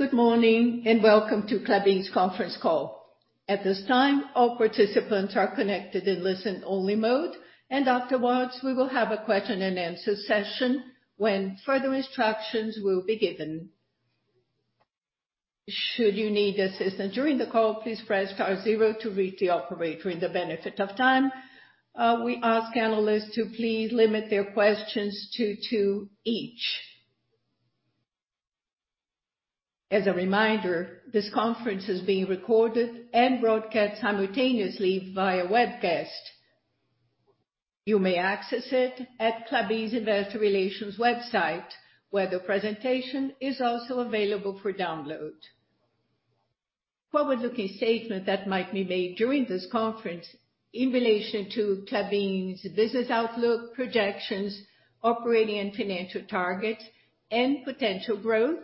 Good morning, and welcome to Klabin's conference call. At this time, all participants are connected in listen-only mode, and afterwards we will have a question and answer session when further instructions will be given. Should you need assistance during the call, please press star zero to reach the operator. In the interest of time, we ask analysts to please limit their questions to two each. As a reminder, this conference is being recorded and broadcast simultaneously via webcast. You may access it at Klabin's Investor Relations website, where the presentation is also available for download. Forward-looking statements that might be made during this conference in relation to Klabin's business outlook, projections, operating and financial targets, and potential growth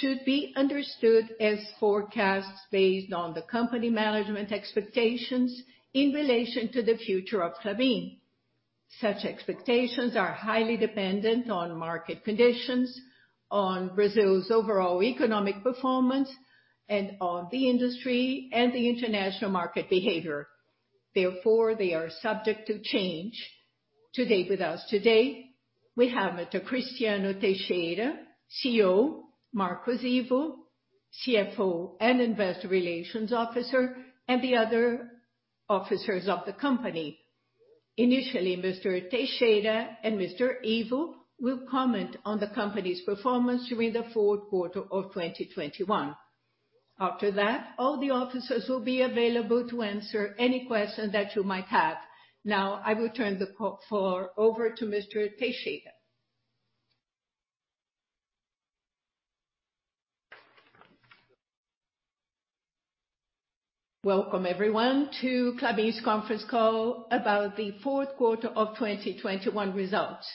should be understood as forecasts based on the Company's management expectations in relation to the future of Klabin. Such expectations are highly dependent on market conditions, on Brazil's overall economic performance, and on the industry and the international market behavior. Therefore, they are subject to change. To join us today, we have Mr. Cristiano Teixeira, CEO. Marcos Ivo, CFO and Investor Relations Officer, and the other officers of the company. Initially, Mr. Teixeira and Mr. Ivo will comment on the company's performance during the Q4 of 2021. After that, all the officers will be available to answer any questions that you might have. Now, I will turn the floor over to Mr. Teixeira. Welcome, everyone, to Klabin's conference call about the Q4 of 2021 results.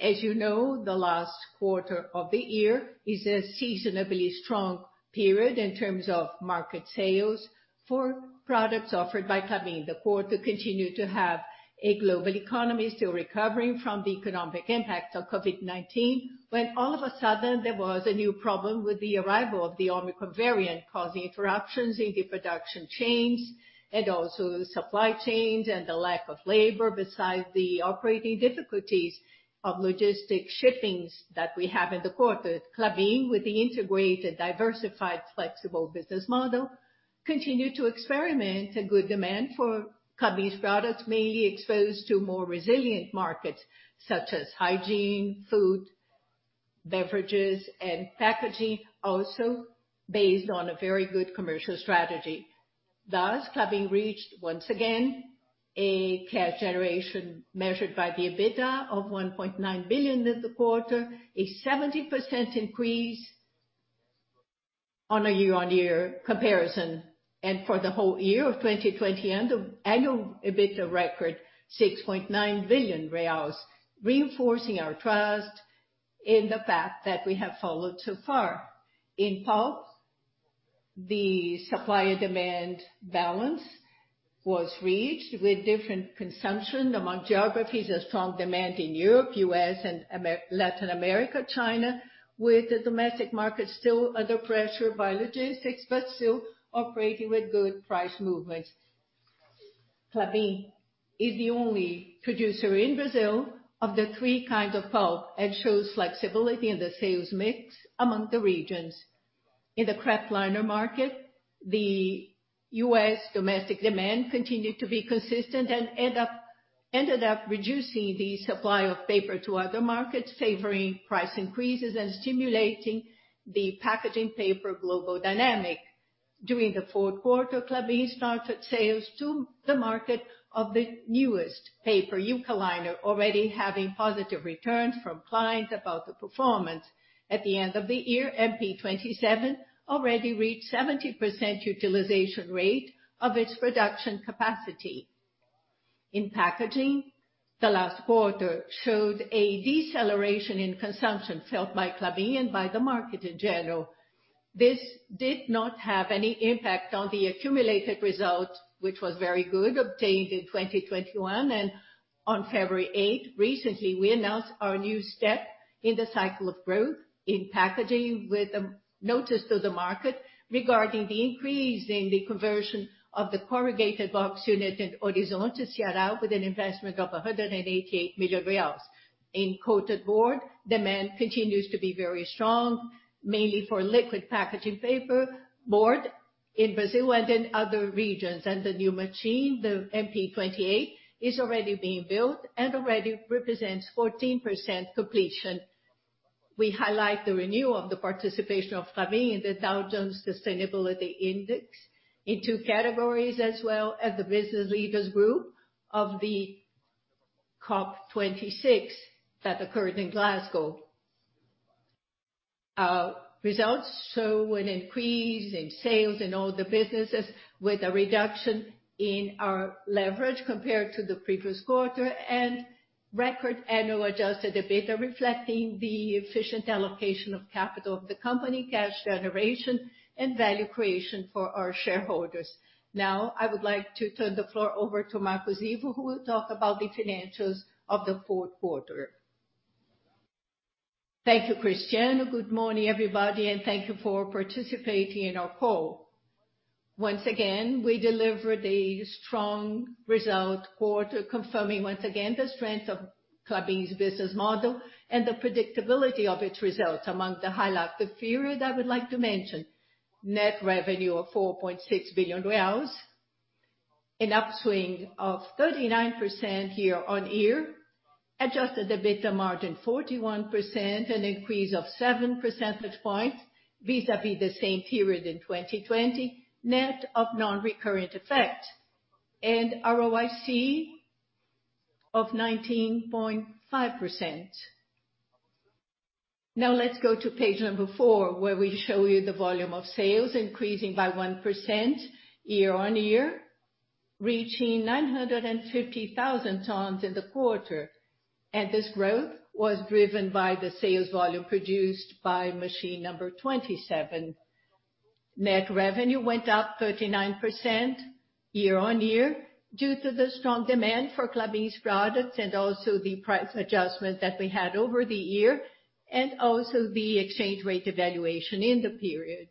As you know, the last quarter of the year is a seasonally strong period in terms of market sales for products offered by Klabin. The quarter continued to have a global economy still recovering from the economic impact of COVID-19, when all of a sudden there was a new problem with the arrival of the Omicron variant, causing interruptions in the production chains and also supply chains and the lack of labor, besides the operating difficulties of logistic shippings that we have in the quarter. Klabin, with the integrated, diversified, flexible business model, continued to experiment a good demand for Klabin's products, mainly exposed to more resilient markets such as hygiene, food, beverages, and packaging, also based on a very good commercial strategy. Thus, Klabin reached once again a cash generation measured by the EBITDA of 1.9 billion in the quarter, a 70% increase on a year-on-year comparison. For the whole year of 2020 annual EBITDA record 6.9 billion reais, reinforcing our trust in the path that we have followed so far. In pulp, the supply and demand balance was reached with different consumption among geographies, a strong demand in Europe, U.S., and Latin America, China, with the domestic market still under pressure by logistics, but still operating with good price movements. Klabin is the only producer in Brazil of the three kinds of pulp and shows flexibility in the sales mix among the regions. In the kraftliner market, the U.S. domestic demand continued to be consistent and ended up reducing the supply of paper to other markets, favoring price increases and stimulating the packaging paper global dynamic. During the Q4, Klabin started sales to the market of the newest paper, Eukaliner, already having positive returns from clients about the performance. At the end of the year, MP 27 already reached 70% utilization rate of its production capacity. In packaging, the last quarter showed a deceleration in consumption felt by Klabin and by the market in general. This did not have any impact on the accumulated result, which was very good, obtained in 2021. On February 8, recently, we announced our new step in the cycle of growth in packaging with a notice to the market regarding the increase in the conversion of the corrugated box unit in Horizonte, Ceará, with an investment of 188 million reais. In coated board, demand continues to be very strong, mainly for liquid packaging paperboard in Brazil and in other regions. The new machine, the MP 28, is already being built and already represents 14% completion. We highlight the renewal of the participation of Klabin in the Dow Jones Sustainability Index in two categories as well as the Business Leaders Group of the COP26 that occurred in Glasgow. Results show an increase in sales in all the businesses with a reduction in our leverage compared to the previous quarter and record annual adjusted EBITDA, reflecting the efficient allocation of capital of the company, cash generation and value creation for our shareholders. Now I would like to turn the floor over to Marcos Ivo, who will talk about the financials of the Q4. Thank you, Cristiano. Good morning, everybody, and thank you for participating in our call. Once again, we delivered a strong result quarter, confirming once again the strength of Klabin's business model and the predictability of its results. Among the highlights, the three that I would like to mention, net revenue of BRL 4.6 billion, an upswing of 39% year-on-year. Adjusted EBITDA margin 41%, an increase of seven percentage points vis-à-vis the same period in 2020, net of non-recurrent effect. ROIC of 19.5%. Now let's go to page four, where we show you the volume of sales increasing by 1% year-on-year, reaching 950,000 tons in the quarter. This growth was driven by the sales volume produced by Machine 27. Net revenue went up 39% year-on-year due to the strong demand for Klabin's products and also the price adjustment that we had over the year, and also the exchange rate devaluation in the period.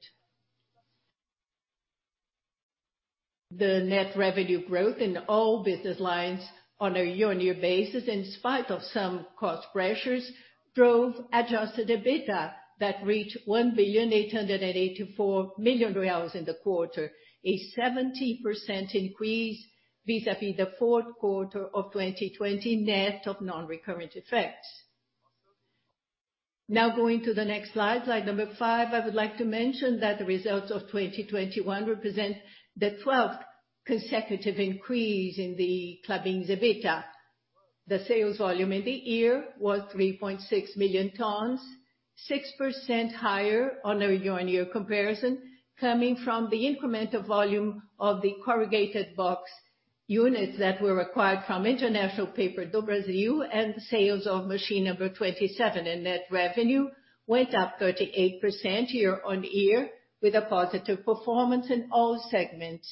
The net revenue growth in all business lines on a year-on-year basis, in spite of some cost pressures, drove adjusted EBITDA that reached 1,884 million reais in the quarter, a 70% increase vis-à-vis the Q4 of 2020, net of non-recurrent effects. Now going to the next slide number five, I would like to mention that the results of 2021 represent the 12th consecutive increase in Klabin's EBITDA. The sales volume in the year was 3.6 million tons, 6% higher on a year-on-year comparison, coming from the incremental volume of the corrugated box units that were acquired from International Paper do Brasil and sales of machine number 27. Net revenue went up 38% year-on-year with a positive performance in all segments.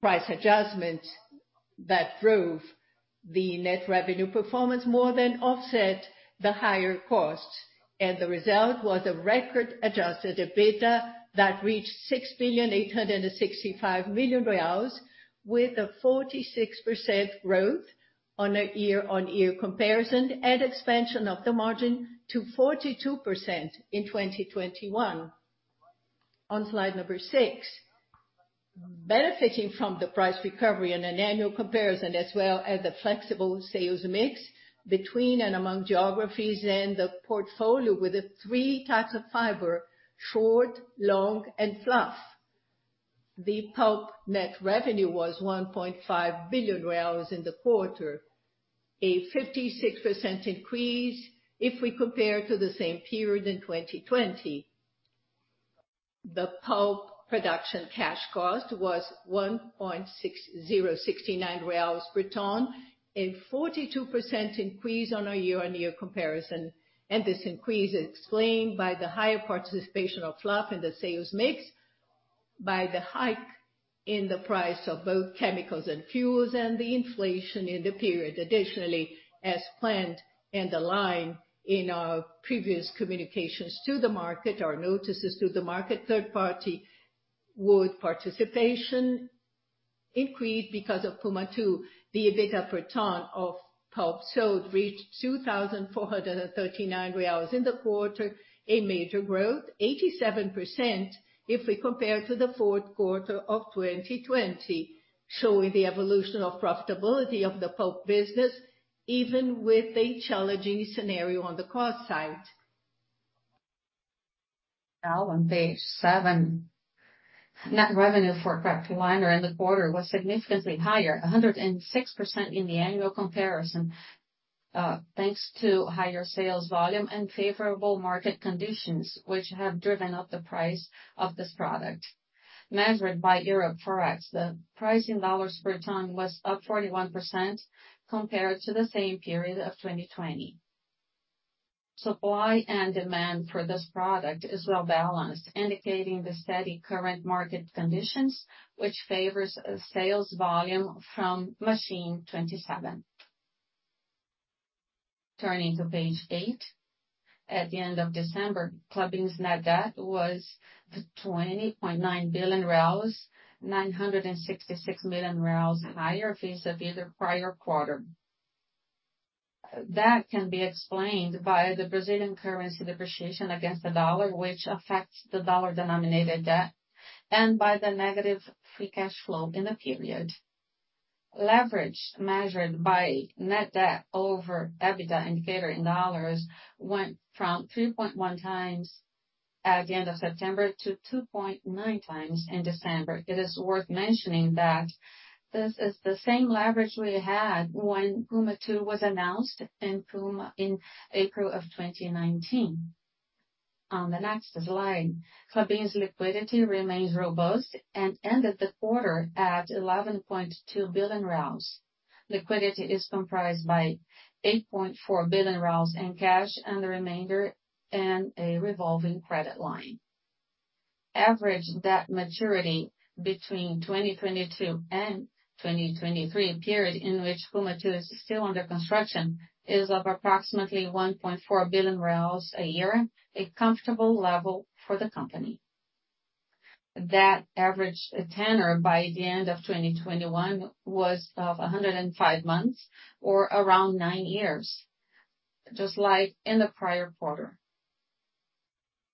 Price adjustments that drove the net revenue performance more than offset the higher costs, and the result was a record adjusted EBITDA that reached 6.865 billion with a 46% growth on a year-on-year comparison and expansion of the margin to 42% in 2021. On slide number six, benefiting from the price recovery on an annual comparison as well as the flexible sales mix between and among geographies and the portfolio with the three types of fiber, short, long, and fluff. The pulp net revenue was 1.5 billion reais in the quarter, a 56% increase if we compare to the same period in 2020. The pulp production cash cost was 1,609 reais per ton, a 42% increase on a year-on-year comparison. This increase is explained by the higher participation of fluff in the sales mix, by the hike in the price of both chemicals and fuels, and the inflation in the period. Additionally, as planned and aligned in our previous communications to the market, our notices to the market, third-party wood participation increased because of Puma II. The EBITDA per ton of pulp sold reached 2,439 reais in the quarter, a major growth, 87% if we compare to the Q4 of 2020, showing the evolution of profitability of the pulp business, even with a challenging scenario on the cost side. Now on page seven. Net revenue for kraftliner in the quarter was significantly higher, 106% in the annual comparison, thanks to higher sales volume and favorable market conditions, which have driven up the price of this product. Measured by Europe FOEX, the price in dollars per ton was up 41% compared to the same period of 2020. Supply and demand for this product is well-balanced, indicating the steady current market conditions, which favors a sales volume from Machine 27. Turning to page eight. At the end of December, Klabin's net debt was BRL 20.966 billion higher vis-à-vis the prior quarter. That can be explained by the Brazilian currency depreciation against the dollar, which affects the dollar-denominated debt and by the negative free cash flow in the period. Leverage measured by net debt over EBITDA indicator in dollars went from 3.1x at the end of September to 2.9x in December. It is worth mentioning that this is the same leverage we had when Puma II was announced in April of 2019. On the next slide. Klabin's liquidity remains robust and ended the quarter at 11.2 billion. Liquidity is comprised by 8.4 billion in cash and the remainder in a revolving credit line. Average debt maturity between 2022 and 2023 period in which Puma II is still under construction is of approximately 1.4 billion a year, a comfortable level for the company. That average tenor by the end of 2021 was of 105 months or around nine years, just like in the prior quarter.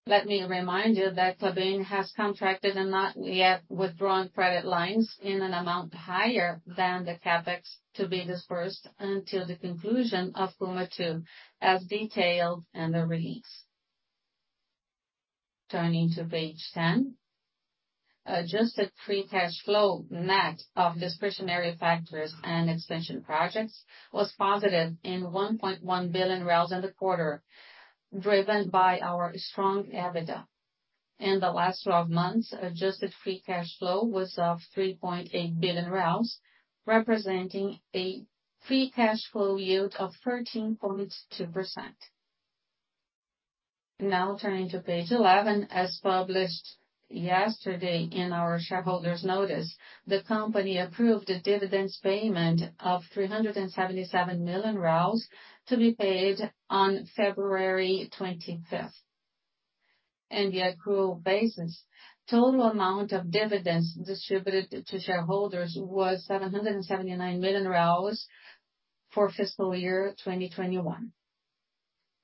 Let me remind you that Klabin has contracted and not yet withdrawn credit lines in an amount higher than the CapEx to be disbursed until the conclusion of Puma II as detailed in the release. Turning to page 10. Adjusted free cash flow net of discretionary factors and expansion projects was positive in 1.1 billion in the quarter, driven by our strong EBITDA. In the last 12 months, adjusted free cash flow was of 3.8 billion, representing a free cash flow yield of 13.2%. Now turning to page 11. As published yesterday in our shareholders notice, the company approved a dividend payment of 377 million to be paid on February 25. In the accrual basis, total amount of dividends distributed to shareholders was 779 million for fiscal year 2021.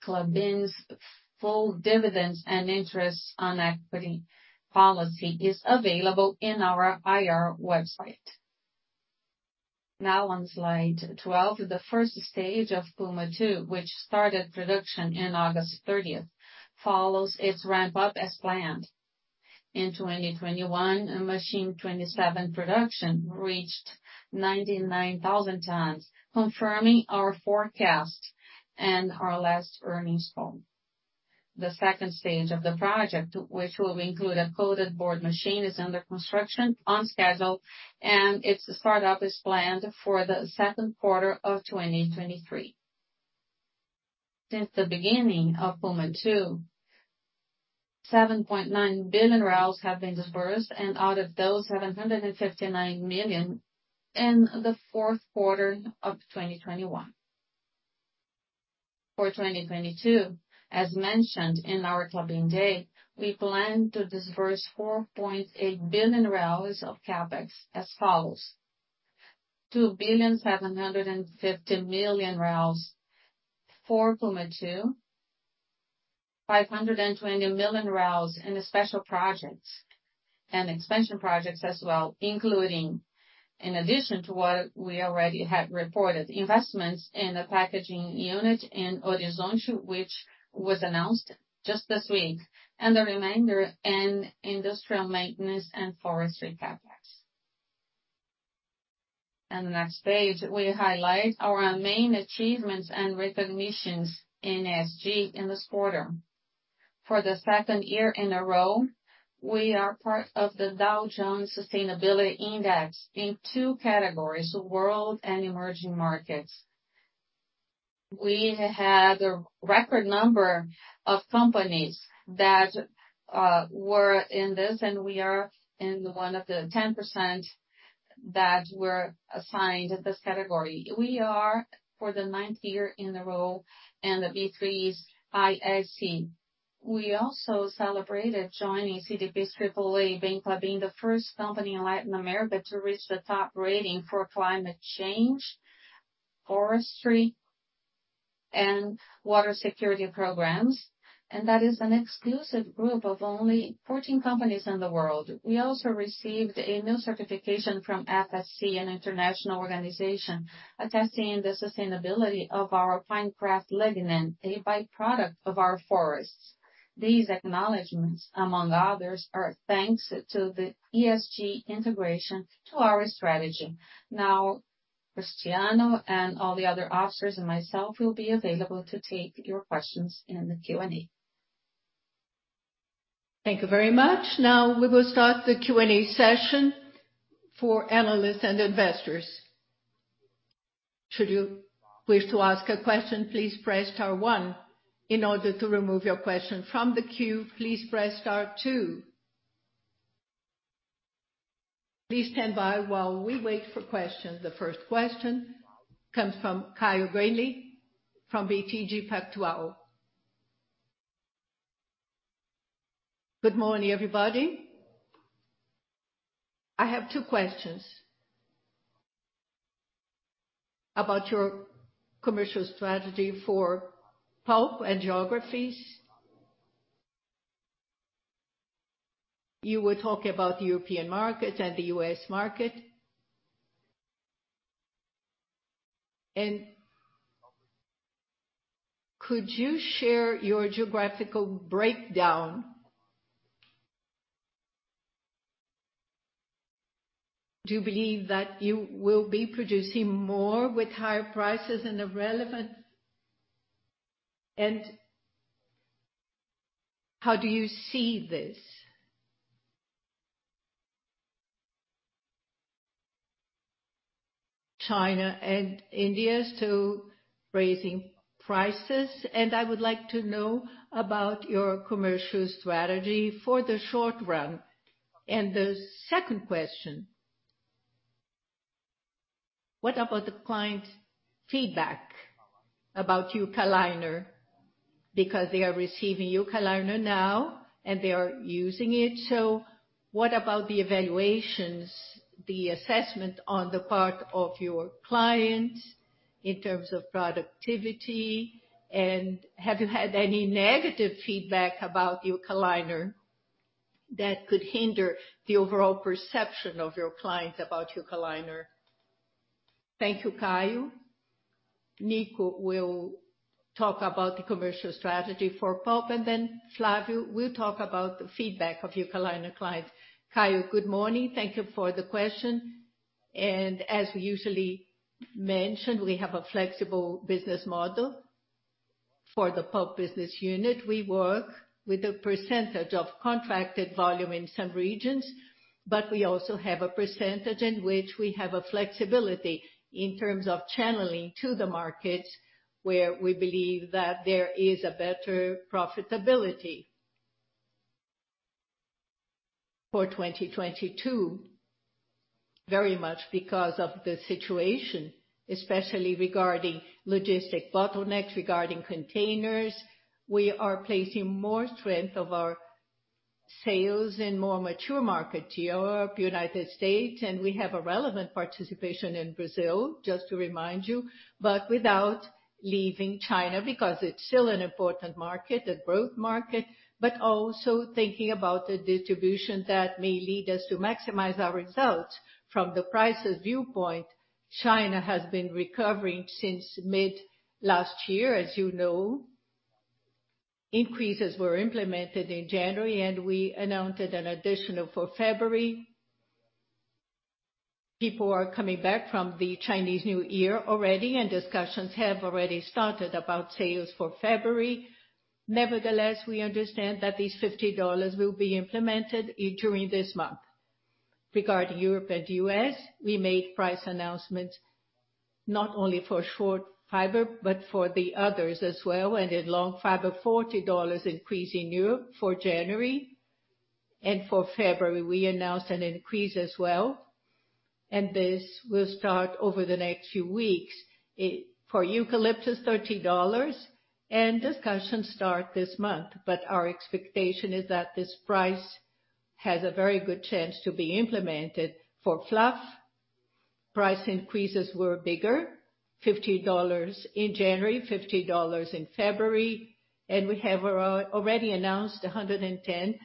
Klabin's full dividends and interest on equity policy is available in our IR website. Now on slide 12. The first stage of Puma II, which started production in August 30, follows its ramp-up as planned. In 2021, Machine 27 production reached 99,000 tons, confirming our forecast and our last earnings call. The second stage of the project, which will include a coated board machine, is under construction on schedule, and its start up is planned for the Q2 of 2023. Since the beginning of Puma II, 7.9 billion have been disbursed, and out of those, 759 million in the Q4 of 2021. For 2022, as mentioned in our Klabin Day, we plan to disburse 4.8 billion of CapEx as follows. 2.75 billion for Puma II, 520 million in the special projects and expansion projects as well, including, in addition to what we already had reported, investments in the packaging unit in Horizonte, which was announced just this week, and the remainder in industrial maintenance and forestry CapEx. On the next page, we highlight our main achievements and recognitions in ESG in this quarter. For the second year in a row, we are part of the Dow Jones Sustainability Index in two categories, world and emerging markets. We had a record number of companies that were in this, and we are in one of the 10% that were assigned this category. We are for the ninth year in a row in B3's ISE. We also celebrated joining CDP's triple-A, Klabin being the first company in Latin America to reach the top rating for climate change, forestry, and water security programs. That is an exclusive group of only 14 companies in the world. We also received a new certification from FSC, an international organization, attesting the sustainability of our pine kraft lignin, a by-product of our forests. These acknowledgments, among others, are thanks to the ESG integration to our strategy. Now, Cristiano and all the other officers and myself will be available to take your questions in the Q&A. Thank you very much. Now we will start the Q&A session for analysts and investors. The first question comes from Caio Greiner from BTG Pactual. Good morning, everybody. I have two questions about your commercial strategy for pulp and geographies. You were talking about the European markets and the U.S. market. Could you share your geographical breakdown? Do you believe that you will be producing more with higher prices in the relevant? How do you see this? China and India, so raising prices. I would like to know about your commercial strategy for the short run. The second question, what about the client feedback about Eukaliner? Because they are receiving Eukaliner now, and they are using it. What about the evaluations, the assessment on the part of your clients in terms of productivity? Have you had any negative feedback about Eukaliner that could hinder the overall perception of your clients about Eukaliner? Thank you, Caio. Nico will talk about the commercial strategy for pulp, and then Flávio will talk about the feedback of Eukaliner clients. Caio, good morning. Thank you for the question. As we usually mention, we have a flexible business model. For the pulp business unit, we work with a percentage of contracted volume in some regions, but we also have a percentage in which we have a flexibility in terms of channeling to the markets where we believe that there is a better profitability. For 2022, very much because of the situation, especially regarding logistic bottlenecks, regarding containers, we are placing more strength of our sales in more mature market, Europe, United States, and we have a relevant participation in Brazil, just to remind you, but without leaving China because it's still an important market, a growth market, but also thinking about the distribution that may lead us to maximize our results. From the prices viewpoint, China has been recovering since mid last year, as you know. Increases were implemented in January, and we announced an additional for February. People are coming back from the Chinese New Year already, and discussions have already started about sales for February. Nevertheless, we understand that these $50 will be implemented during this month. Regarding Europe and U.S., we made price announcements not only for short fiber, but for the others as well. In long fiber, $40 increase in Europe for January, and for February, we announced an increase as well. This will start over the next few weeks. For eucalyptus, $13, and discussions start this month. Our expectation is that this price has a very good chance to be implemented. For fluff, price increases were bigger, $50 in January, $50 in February, and we have already announced $110.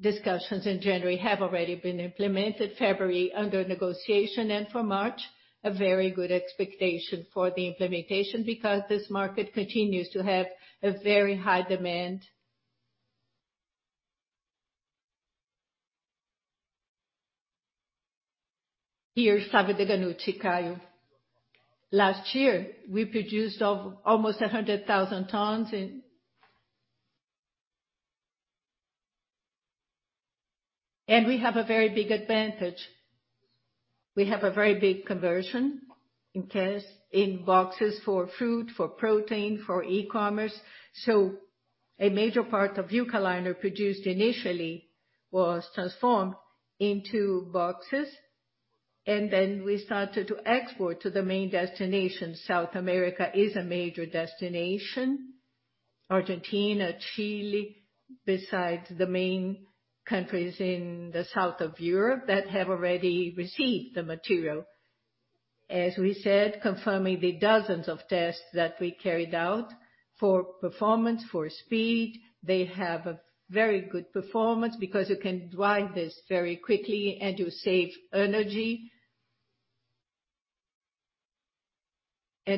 Discussions in January have already been implemented, February under negotiation, and for March, a very good expectation for the implementation because this market continues to have a very high demand. Here, Caio. Last year, we produced almost 100,000 tons in. We have a very big advantage. We have a very big conversion in cases, in boxes for food, for protein, for e-commerce. A major part of Eukaliner produced initially was transformed into boxes, and then we started to export to the main destination. South America is a major destination. Argentina, Chile, besides the main countries in the South of Europe that have already received the material. As we said, confirming the dozens of tests that we carried out for performance, for speed, they have a very good performance because you can dry this very quickly, and you save energy.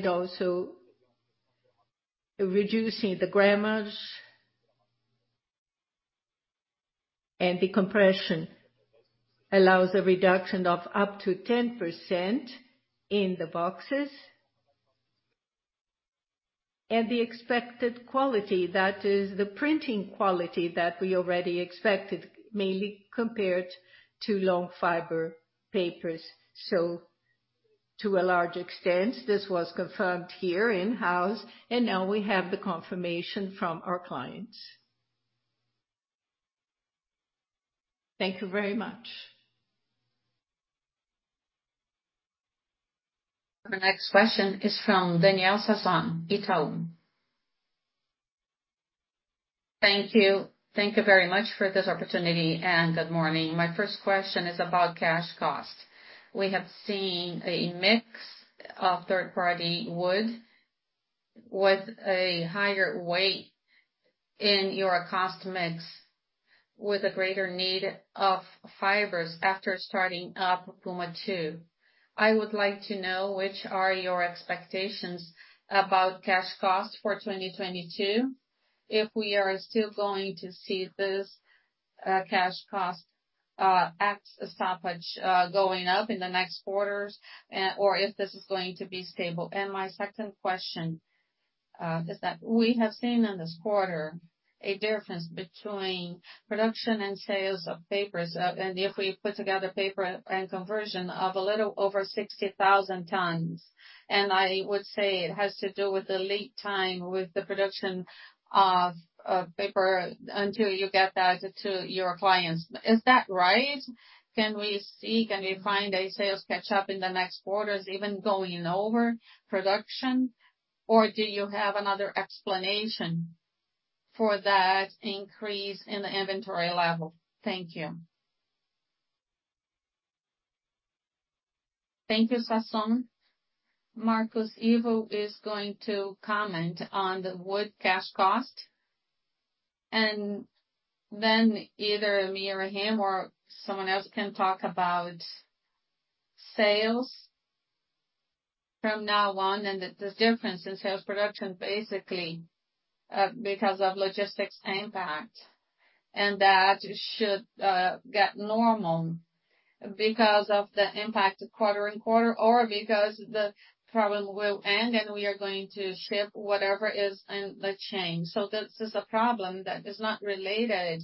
Also reducing the grammage and the compression allows a reduction of up to 10% in the boxes. The expected quality, that is the printing quality that we already expected, mainly compared to long fiber papers. To a large extent, this was confirmed here in-house, and now we have the confirmation from our clients. Thank you very much. The next question is from Daniel Sasson, Itaú. Thank you. Thank you very much for this opportunity, and good morning. My first question is about cash cost. We have seen a mix of third-party wood with a higher weight in your cost mix with a greater need of fibers after starting up Puma II. I would like to know which are your expectations about cash costs for 2022, if we are still going to see this cash cost at stoppage going up in the next quarters, or if this is going to be stable. My second question Is that we have seen in this quarter a difference between production and sales of papers. If we put together paper and conversion of a little over 60,000 tons, and I would say it has to do with the lead time with the production of paper until you get that to your clients. Is that right? Can we find a sales catch-up in the next quarters, even going over production or do you have another explanation for that increase in the inventory level? Thank you. Thank you, Sasson. Marcos Ivo is going to comment on the wood cash cost. Either me or him or someone else can talk about sales from now on and the difference in sales production basically, because of logistics impact. That should get normal because of the impact quarter-over-quarter or because the problem will end and we are going to ship whatever is in the chain. This is a problem that is not related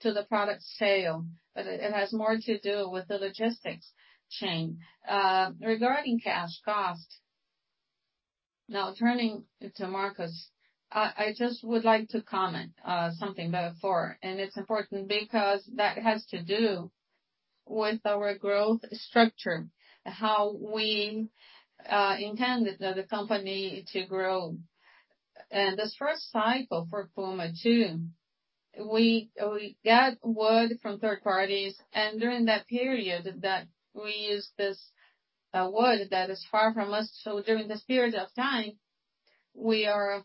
to the product sale, but it has more to do with the logistics chain. Regarding cash cost, now turning to Marcos. I just would like to comment something before. It's important because that has to do with our growth structure, how we intended the company to grow. This first cycle for Puma II, we got wood from third parties, and during that period that we used this wood that is far from us. During this period of time, we are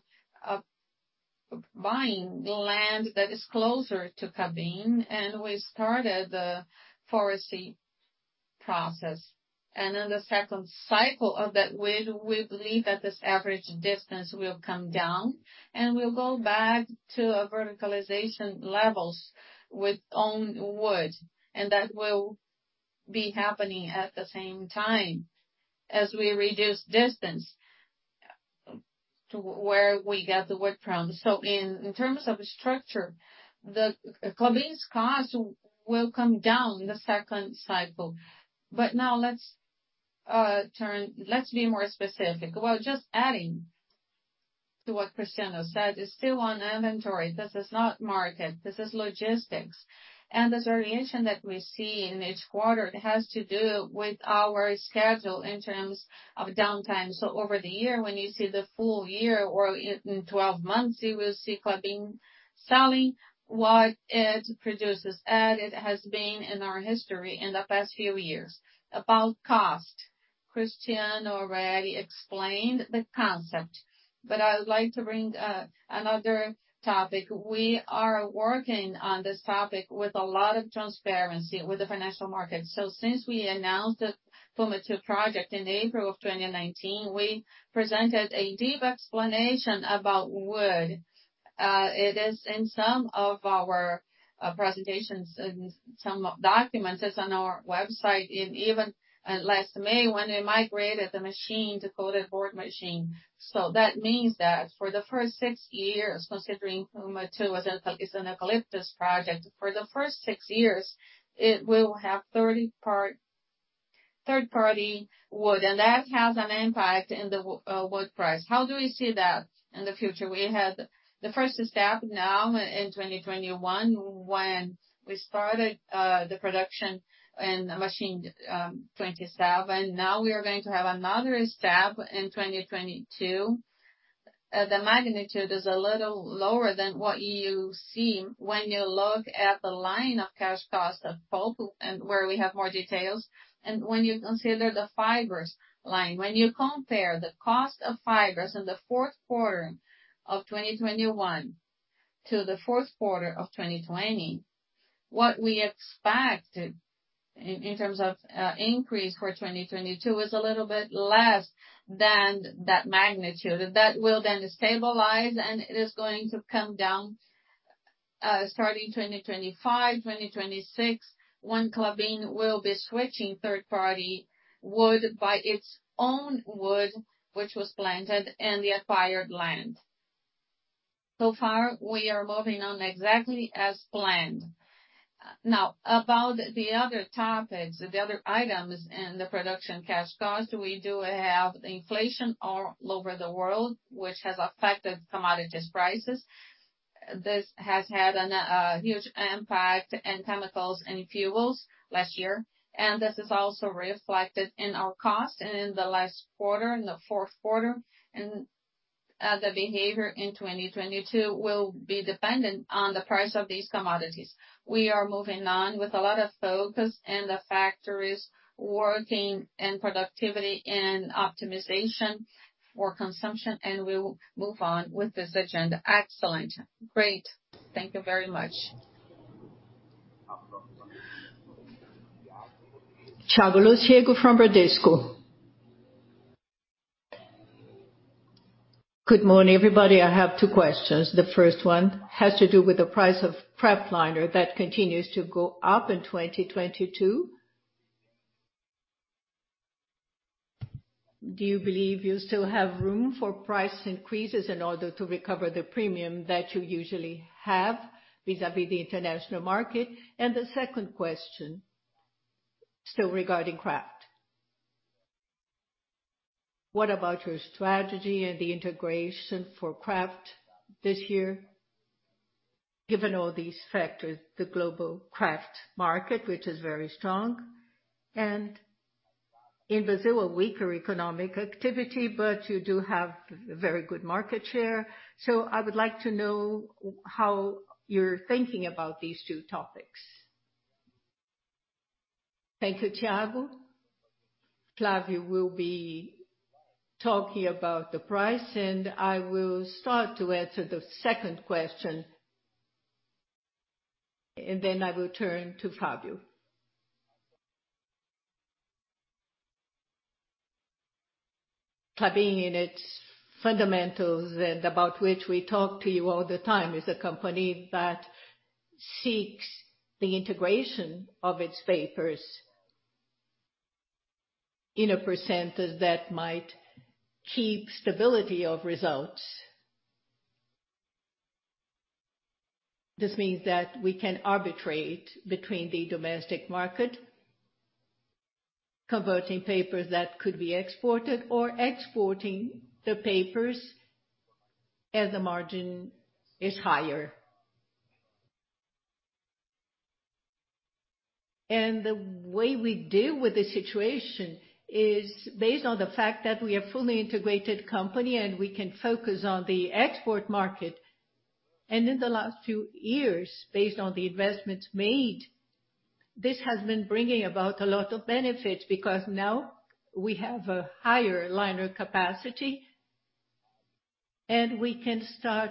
buying land that is closer to Klabin, and we started the forestry process. In the second cycle of that wood, we believe that this average distance will come down, and we'll go back to a verticalization levels with own wood. That will be happening at the same time as we reduce distance to where we get the wood from. In terms of structure, the Klabin's cost will come down in the second cycle. Now let's be more specific. Well, just adding to what Cristiano said, it's still on inventory. This is not market, this is logistics. This variation that we see in each quarter has to do with our schedule in terms of downtime. Over the year, when you see the full year or in twelve months, you will see Klabin selling what it produces, as it has been in our history in the past few years. About cost, Cristiano already explained the concept, but I would like to bring another topic. We are working on this topic with a lot of transparency with the financial market. Since we announced the Puma II project in April 2019, we presented a deep explanation about wood. It is in some of our presentations and some documents. It's on our website and even last May, when we migrated the machine to coated board machine. That means that for the first six years, considering Puma II is an eucalyptus project. For the first six years, it will have 30% third party wood, and that has an impact in the wood price. How do we see that in the future? We had the first step now in 2021 when we started the production in the Machine 27. Now we are going to have another step in 2022. The magnitude is a little lower than what you see when you look at the line of cash cost of pulp and where we have more details, and when you consider the fibers line. When you compare the cost of fibers in the Q4 of 2021 to the Q4 of 2020, what we expect in terms of increase for 2022 is a little bit less than that magnitude. That will then stabilize, and it is going to come down starting 2025, 2026, when Klabin will be switching third-party wood by its own wood, which was planted in the acquired land. So far, we are moving on exactly as planned. Now, about the other topics, the other items in the production cash cost, we do have inflation all over the world, which has affected commodities prices. This has had a huge impact in chemicals and fuels last year, and this is also reflected in our cost in the last quarter, in the Q4. The behavior in 2022 will be dependent on the price of these commodities. We are moving on with a lot of focus in the factories working in productivity and optimization for consumption, and we will move on with this agenda. Excellent. Great. Thank you very much. Thiago Lofiego from Bradesco BBI. Good morning, everybody. I have two questions. The first one has to do with the price of kraftliner that continues to go up in 2022. Do you believe you still have room for price increases in order to recover the premium that you usually have vis-a-vis the international market? The second question, still regarding kraft. What about your strategy and the integration for kraft this year, given all these factors, the global kraft market, which is very strong and in Brazil, a weaker economic activity, but you do have very good market share. I would like to know how you're thinking about these two topics. Thank you, Thiago. Flávio will be talking about the price, and I will start to answer the second question, and then I will turn to Flávio. Klabin in its fundamentals and about which we talk to you all the time, is a company that seeks the integration of its papers in a percentage that might keep stability of results. This means that we can arbitrate between the domestic market, converting papers that could be exported or exporting the papers as the margin is higher. The way we deal with the situation is based on the fact that we are fully integrated company, and we can focus on the export market. In the last few years, based on the investments made, this has been bringing about a lot of benefits because now we have a higher liner capacity, and we can start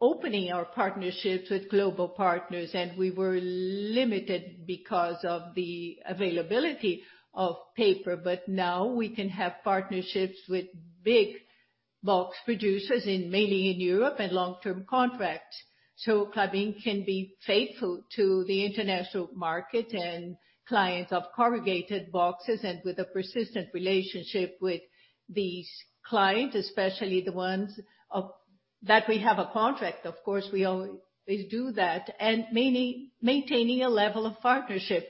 opening our partnerships with global partners. We were limited because of the availability of paper. Now we can have partnerships with big box producers in, mainly in Europe, and long-term contracts. Klabin can be faithful to the international market and clients of corrugated boxes and with a persistent relationship with these clients, especially the ones that we have a contract. Of course, we always do that and mainly maintaining a level of partnership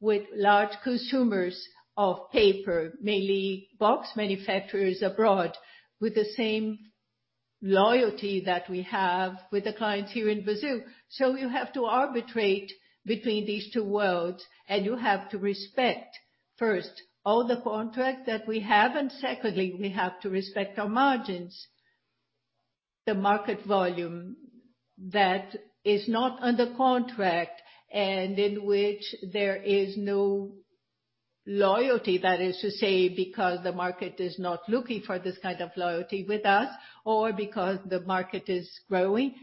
with large consumers of paper, mainly box manufacturers abroad, with the same loyalty that we have with the clients here in Brazil. You have to arbitrate between these two worlds, and you have to respect first, all the contracts that we have, and secondly, we have to respect our margins. The market volume that is not under contract and in which there is no loyalty, that is to say, because the market is not looking for this kind of loyalty with us or because the market is growing.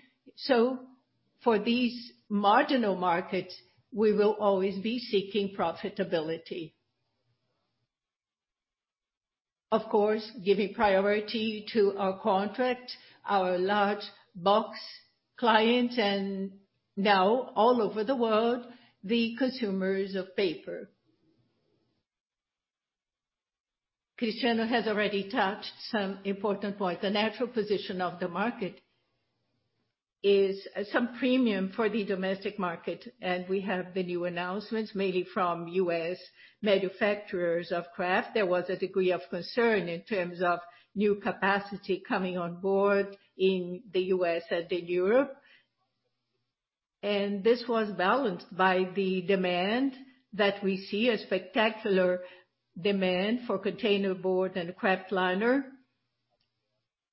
For these marginal markets, we will always be seeking profitability. Of course, giving priority to our contract, our large box clients, and now all over the world, the consumers of paper. Cristiano has already touched some important points. The natural position of the market is some premium for the domestic market, and we have the new announcements, mainly from U.S. manufacturers of kraft. There was a degree of concern in terms of new capacity coming on board in the U.S. and in Europe. This was balanced by the demand that we see, a spectacular demand for container board and kraft liner,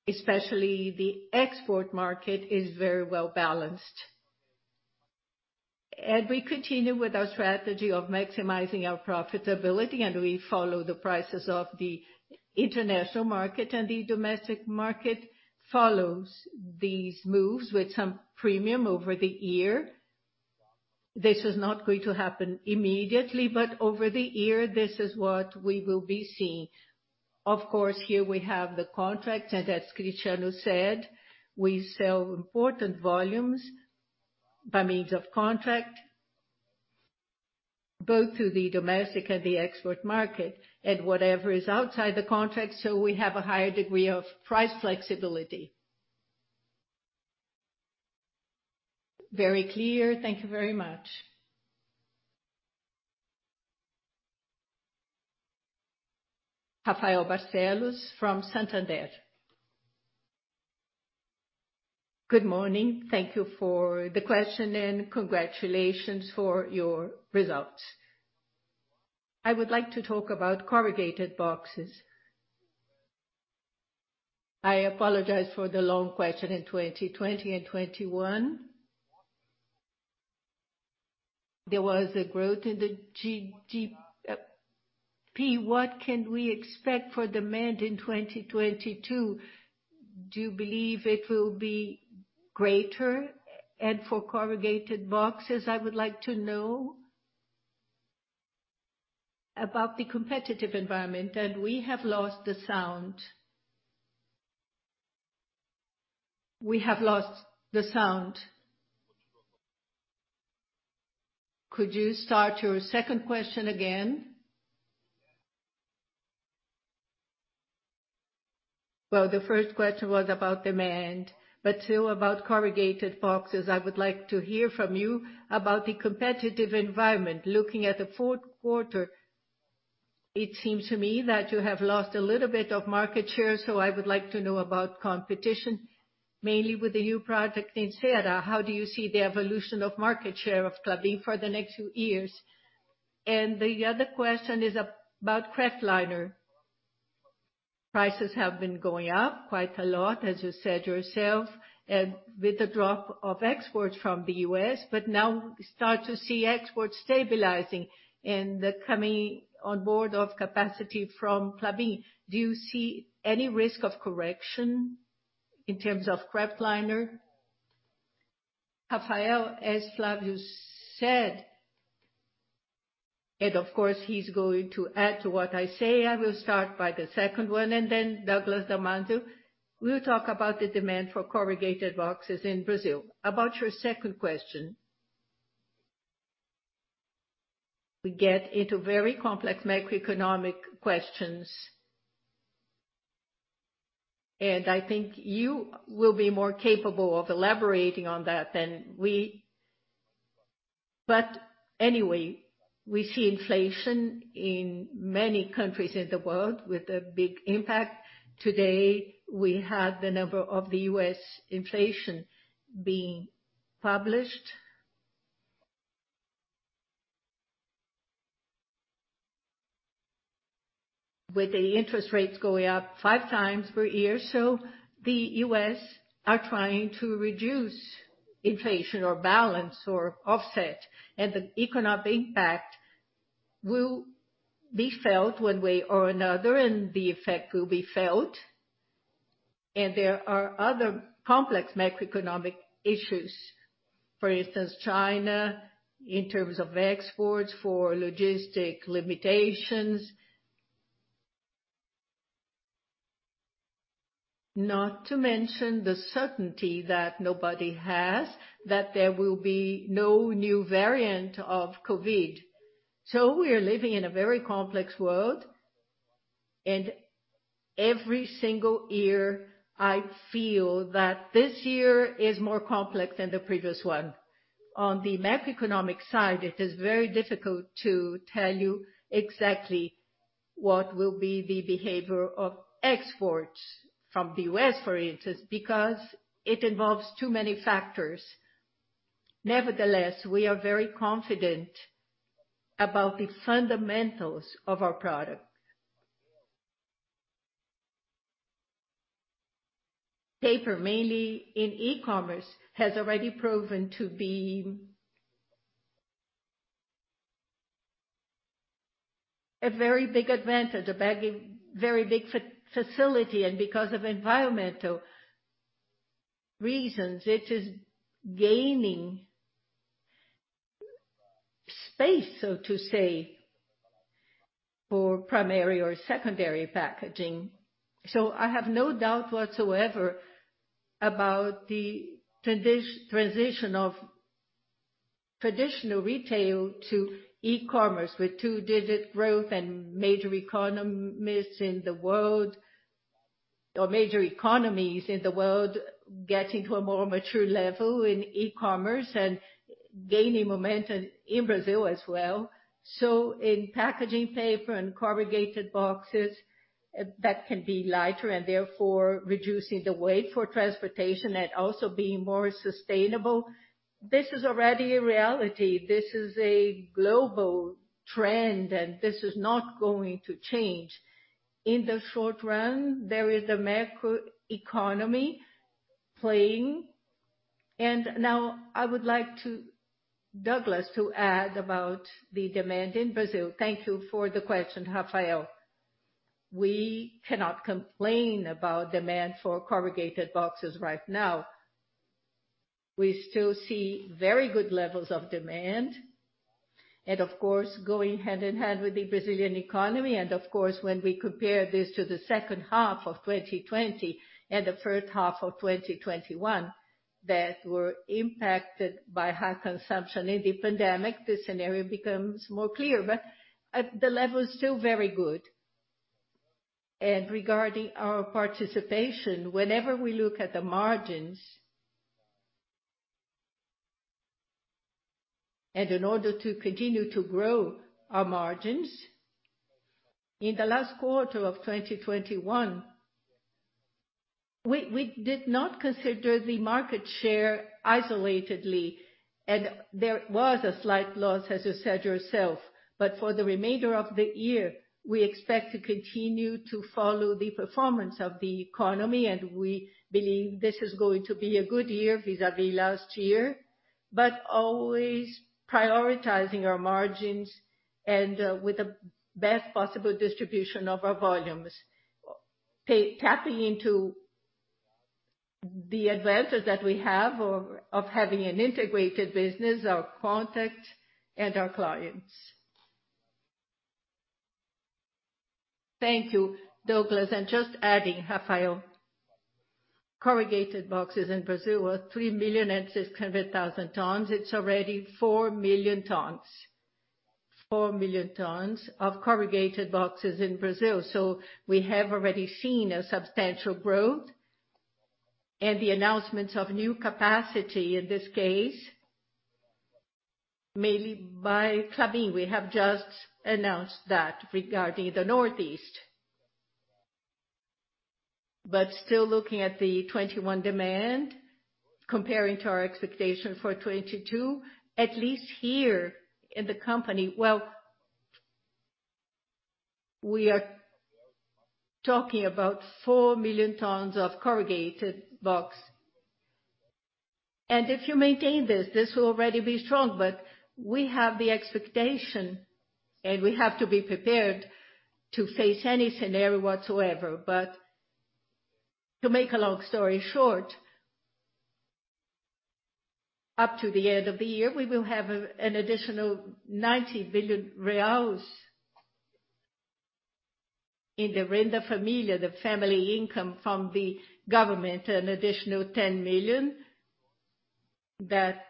especially the export market is very well balanced. We continue with our strategy of maximizing our profitability, and we follow the prices of the international market, and the domestic market follows these moves with some premium over the year. This is not going to happen immediately, but over the year this is what we will be seeing. Of course, here we have the contract, and as Cristiano said, we sell important volumes by means of contract, both to the domestic and the export market and whatever is outside the contract, so we have a higher degree of price flexibility. Very clear. Thank you very much. Rafael Barcellos from Santander. Good morning. Thank you for the question and congratulations for your results. I would like to talk about corrugated boxes. I apologize for the long question. In 2020 and 2021, there was a growth in the GDP. What can we expect for demand in 2022? Do you believe it will be greater? For corrugated boxes, I would like to know about the competitive environment. We have lost the sound. Could you start your second question again? Well, the first question was about demand, but still about corrugated boxes. I would like to hear from you about the competitive environment. Looking at the Q4, it seems to me that you have lost a little bit of market share, so I would like to know about competition, mainly with the new project in Ceará. How do you see the evolution of market share of Klabin for the next few years? The other question is about kraftliner. Prices have been going up quite a lot, as you said yourself, and with the drop of exports from the U.S., but now we start to see exports stabilizing and the coming on board of capacity from Klabin. Do you see any risk of correction in terms of kraftliner? Rafael, as Flávio said, and of course, he's going to add to what I say, I will start by the second one, and then Douglas Dalmasi will talk about the demand for corrugated boxes in Brazil. About your second question, we get into very complex macroeconomic questions and I think you will be more capable of elaborating on that than we. Anyway, we see inflation in many countries in the world with a big impact. Today, we had the number of the U.S. inflation being published with the interest rates going up five times per year. The U.S. are trying to reduce inflation or balance or offset, and the economic impact will be felt one way or another, and the effect will be felt. There are other complex macroeconomic issues. For instance, China in terms of exports for logistical limitations. Not to mention the certainty that nobody has that there will be no new variant of COVID. We are living in a very complex world, and every single year, I feel that this year is more complex than the previous one. On the macroeconomic side, it is very difficult to tell you exactly what will be the behavior of exports from the U.S., for instance, because it involves too many factors. Nevertheless, we are very confident about the fundamentals of our product. Paper, mainly in e-commerce, has already proven to be a very big advantage, a very big facility, and because of environmental reasons, it is gaining space, so to say, for primary or secondary packaging. I have no doubt whatsoever about the transition of traditional retail to e-commerce with two-digit growth and major economists in the world, or major economies in the world getting to a more mature level in e-commerce and gaining momentum in Brazil as well. In packaging paper and corrugated boxes, that can be lighter and therefore reducing the weight for transportation and also being more sustainable. This is already a reality. This is a global trend, and this is not going to change. In the short run, there is a macro economy playing. Now I would like Douglas to add about the demand in Brazil. Thank you for the question, Rafael. We cannot complain about demand for corrugated boxes right now. We still see very good levels of demand and of course, going hand in hand with the Brazilian economy. Of course, when we compare this to the second half of 2020 and the first half of 2021 that were impacted by high consumption in the pandemic, the scenario becomes more clear. The level is still very good. Regarding our participation, whenever we look at the margins and in order to continue to grow our margins, in the last quarter of 2021, we did not consider the market share isolatedly, and there was a slight loss, as you said yourself. For the remainder of the year, we expect to continue to follow the performance of the economy, and we believe this is going to be a good year vis-a-vis last year, but always prioritizing our margins and with the best possible distribution of our volumes. Tapping into the advantage that we have of having an integrated business, our contacts and our clients. Thank you, Douglas. Just adding, Rafael, corrugated boxes in Brazil were 3.6 million tons. It's already four million tons. four million tons of corrugated boxes in Brazil. We have already seen a substantial growth and the announcements of new capacity, in this case, mainly by Klabin. We have just announced that regarding the Northeast. Still looking at the 2021 demand comparing to our expectation for 2022, at least here in the company, well, we are talking about four million tons of corrugated box. If you maintain this will already be strong. We have the expectation, and we have to be prepared to face any scenario whatsoever. To make a long story short, up to the end of the year, we will have an additional 90 billion reais in the Renda Família, the family income from the government, an additional 10 million that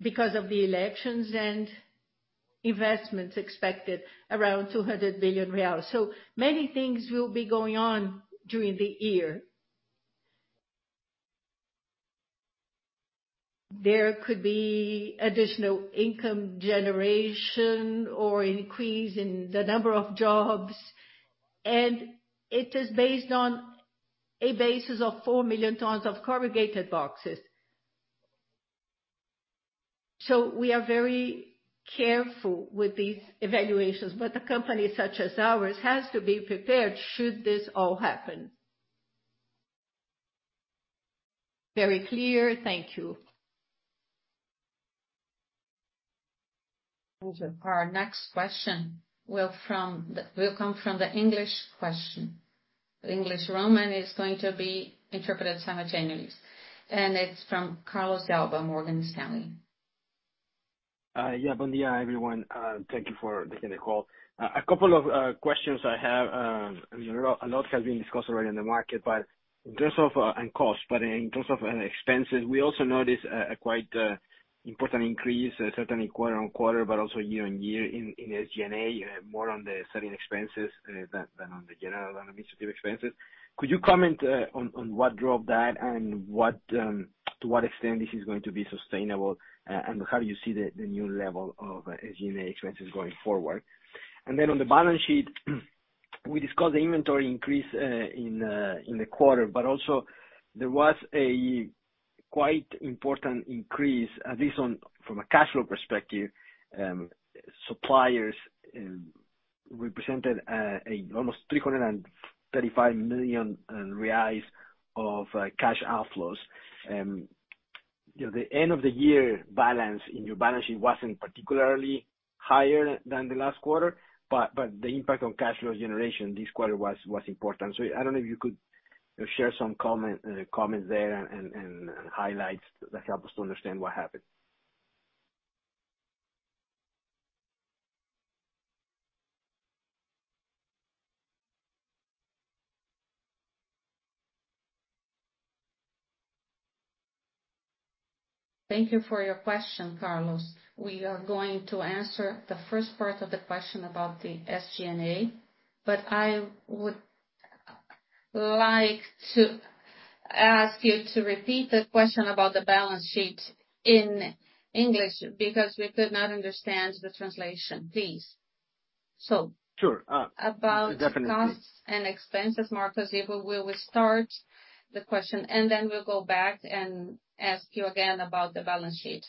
because of the elections and investments expected around 200 billion real. Many things will be going on during the year. There could be additional income generation or increase in the number of jobs, and it is based on a basis of four million tons of corrugated boxes. We are very careful with these evaluations, but a company such as ours has to be prepared should this all happen. Very clear. Thank you. Our next question will come from the English question. English Roman is going to be interpreted simultaneously. It's from Carlos De Alba, Morgan Stanley. Yeah. Bom dia, everyone. Thank you for taking the call. A couple of questions I have. A lot has been discussed already in the market, but in terms of expenses, we also noticed a quite important increase, certainly quarter-on-quarter but also year-on-year in SG&A, more on the selling expenses than on the general and administrative expenses. Could you comment on what drove that and to what extent this is going to be sustainable, and how you see the new level of SG&A expenses going forward? On the balance sheet, we discussed the inventory increase in the quarter, but also there was a quite important increase, at least from a cash flow perspective, suppliers represented almost 335 million reais of cash outflows. You know, the end of the year balance in your balance sheet wasn't particularly higher than the last quarter, but the impact on cash flow generation this quarter was important. I don't know if you could share some comments there and highlights that help us to understand what happened. Thank you for your question, Carlos. We are going to answer the first part of the question about the SG&A, but I would like to ask you to repeat the question about the balance sheet in English because we could not understand the translation, please. Sure. Definitely. Costs and expenses, Marcos Ivo will start the question, and then we'll go back and ask you again about the balance sheet.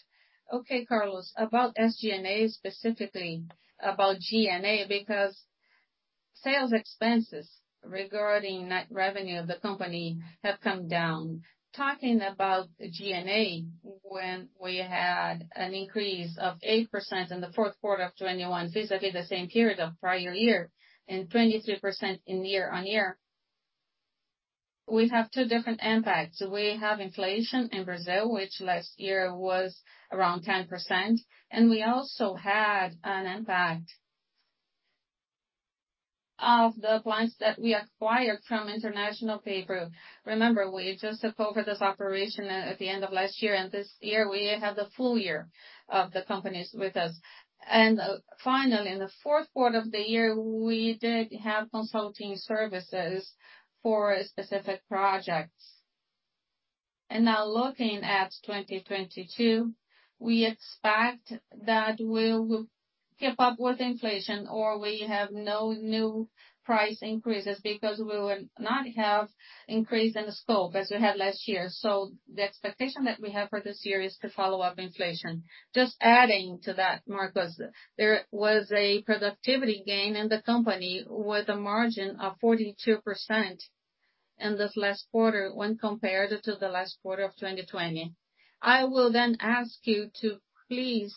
Okay, Carlos, about SG&A, specifically about G&A, because sales expenses regarding net revenue of the company have come down. Talking about G&A, when we had an increase of 8% in the Q4 of 2021, basically the same period of prior year, and 23% year-on-year, we have two different impacts. We have inflation in Brazil, which last year was around 10%, and we also had an impact of the plants that we acquired from International Paper. Remember, we just took over this operation at the end of last year, and this year we have the full year of the companies with us. Finally, in the Q4 of the year, we did have consulting services for specific projects. Now looking at 2022, we expect that we will keep up with inflation or we have no new price increases because we will not have increase in costs as we had last year. The expectation that we have for this year is to follow up inflation. Just adding to that, Marcos, there was a productivity gain in the company with a margin of 42% in this last quarter when compared to the last quarter of 2020. I will then ask you to please,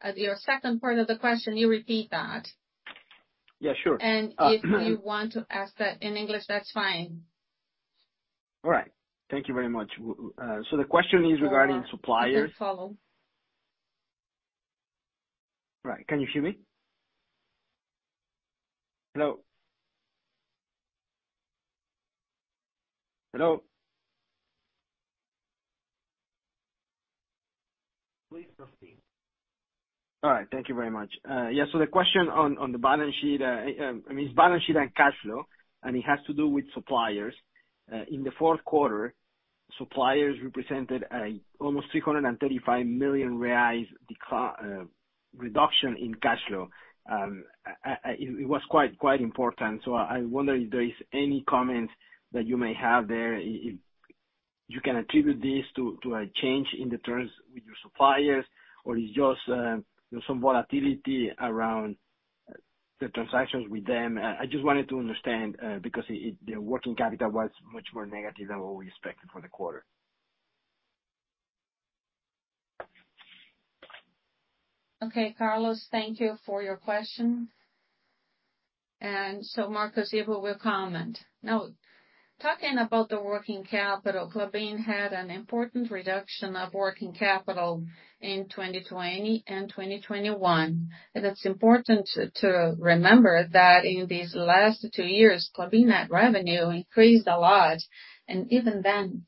at your second part of the question, you repeat that. Yeah, sure. If you want to ask that in English, that's fine. All right. Thank you very much. The question is regarding suppliers. Please follow. Right. Can you hear me? Hello? Please proceed. All right. Thank you very much. Yeah, the question on the balance sheet, I mean, it's balance sheet and cash flow, and it has to do with suppliers. In the Q4, suppliers represented almost 335 million reais reduction in cash flow. It was quite important. I wonder if there is any comment that you may have there. If you can attribute this to a change in the terms with your suppliers or it's just, you know, some volatility around the transactions with them. I just wanted to understand because the working capital was much more negative than what we expected for the quarter. Okay, Carlos, thank you for your question. Marcos Ivo will comment. Now, talking about the working capital, Klabin had an important reduction of working capital in 2020 and 2021. It's important to remember that in these last two years, Klabin net revenue increased a lot. Even then,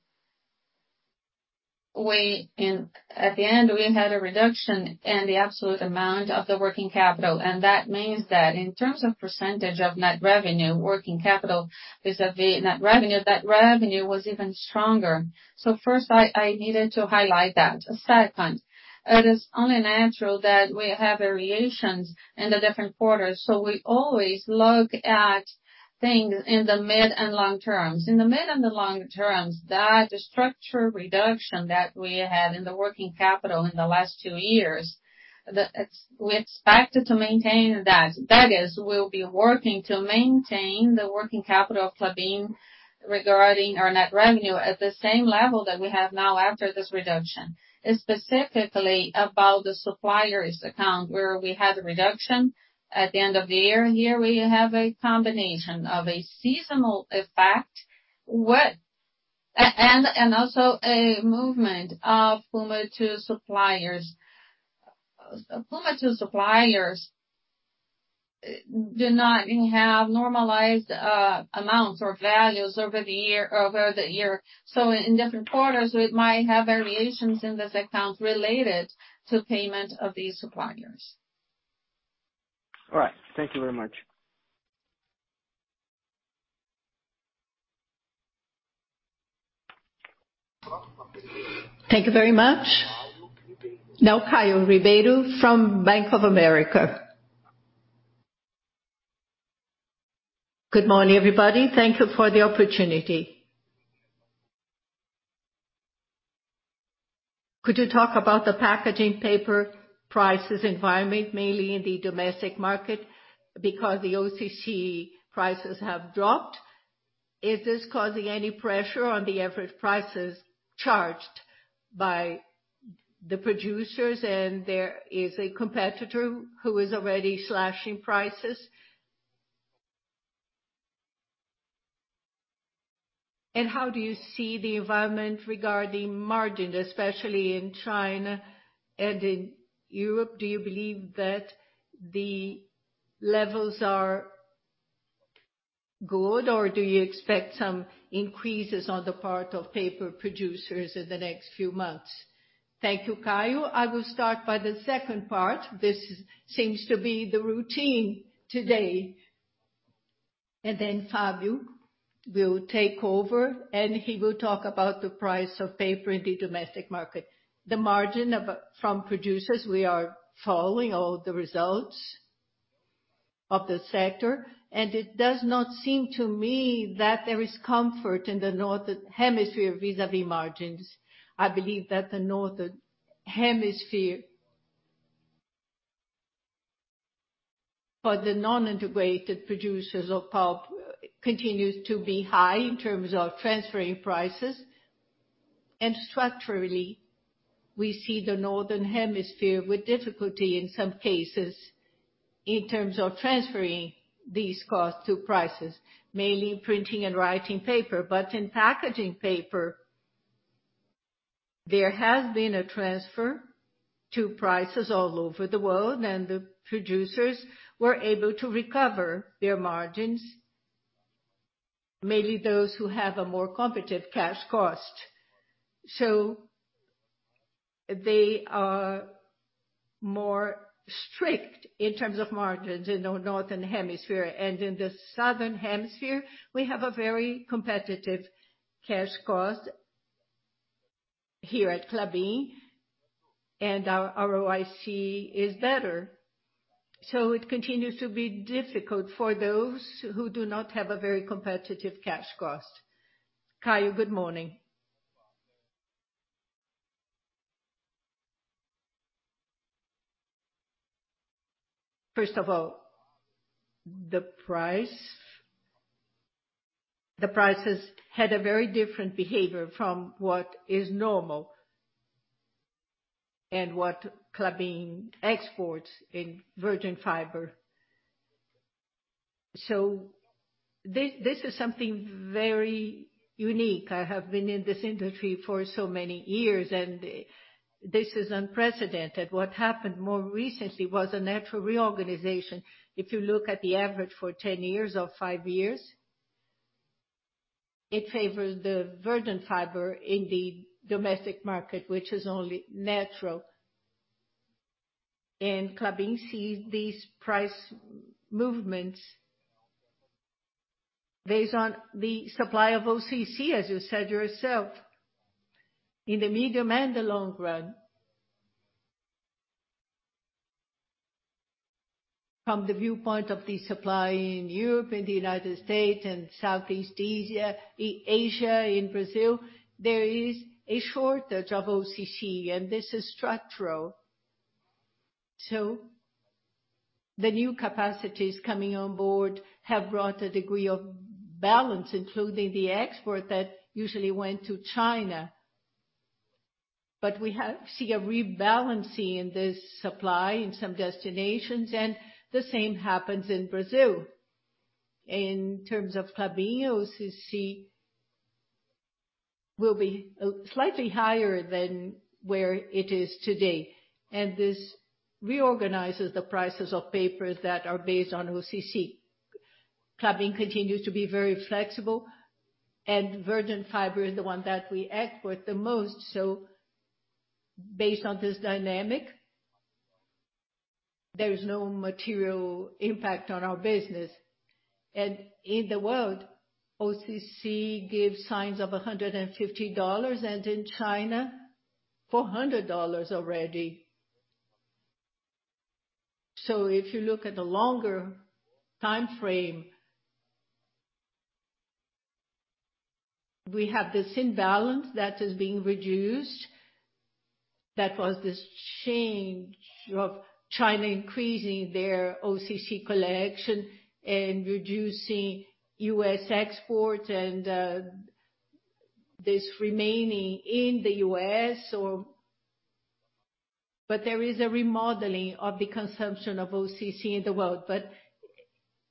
at the end, we had a reduction in the absolute amount of the working capital. That means that in terms of percentage of net revenue, working capital vis-à-vis net revenue, that revenue was even stronger. First, I needed to highlight that. Second, it is only natural that we have variations in the different quarters. We always look at things in the mid and long terms. In the mid and the long terms, that structure reduction that we had in the working capital in the last two years, we expected to maintain that. That is, we'll be working to maintain the working capital of Klabin regarding our net revenue at the same level that we have now after this reduction. Specifically about the suppliers account, where we had a reduction at the end of the year, here we have a combination of a seasonal effect, and also a movement of Puma to suppliers. Puma to suppliers do not have normalized amounts or values over the year. So in different quarters, we might have variations in this account related to payment of these suppliers. All right. Thank you very much. Thank you very much. Now, Caio Ribeiro from Bank of America. Good morning, everybody. Thank you for the opportunity. Could you talk about the packaging paper prices environment, mainly in the domestic market, because the OCC prices have dropped. Is this causing any pressure on the average prices charged by the producers, and there is a competitor who is already slashing prices? How do you see the environment regarding margin, especially in China and in Europe? Do you believe that the levels are good, or do you expect some increases on the part of paper producers in the next few months? Thank you, Caio. I will start by the second part. This seems to be the routine today. Then Flávio will take over, and he will talk about the price of paper in the domestic market. The margin from producers, we are following all the results of the sector, and it does not seem to me that there is comfort in the Northern Hemisphere vis-à-vis margins. I believe that the Northern Hemisphere for the non-integrated producers of pulp continues to be high in terms of transferring prices. Structurally, we see the Northern Hemisphere with difficulty in some cases in terms of transferring these costs to prices, mainly in printing and writing paper. In packaging paper, there has been a transfer to prices all over the world, and the producers were able to recover their margins, mainly those who have a more competitive cash cost. They are more strict in terms of margins in the Northern Hemisphere. In the Southern Hemisphere, we have a very competitive cash cost here at Klabin, and our ROIC is better. It continues to be difficult for those who do not have a very competitive cash cost. Caio, good morning. First of all, the price. The prices had a very different behavior from what is normal and what Klabin exports in virgin fiber. This is something very unique. I have been in this industry for so many years, and this is unprecedented. What happened more recently was a natural reorganization. If you look at the average for 10 years or five years, it favors the virgin fiber in the domestic market, which is only natural. Klabin sees these price movements based on the supply of OCC, as you said yourself, in the medium and the long run. From the viewpoint of the supply in Europe, in the United States, and Southeast Asia, in Brazil, there is a shortage of OCC, and this is structural. The new capacities coming on board have brought a degree of balance, including the export that usually went to China. We see a rebalancing in this supply in some destinations, and the same happens in Brazil. In terms of Klabin, OCC will be slightly higher than where it is today, and this reorganizes the prices of paper that are based on OCC. Klabin continues to be very flexible, and virgin fiber is the one that we export the most. Based on this dynamic, there is no material impact on our business. In the world, OCC gives signs of $150, and in China, $400 already. If you look at the longer time frame, we have this imbalance that is being reduced. That was this change of China increasing their OCC collection and reducing U.S. export and this remaining in the U.S. There is a remodeling of the consumption of OCC in the world, but